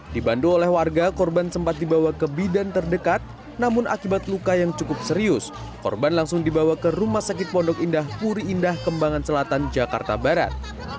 dibantu oleh warga korban sempat dibawa ke bidan terdekat namun akibat luka yang cukup serius korban langsung dibawa ke rumah sakit pondok indah puri indah kembangan selatan jakarta barat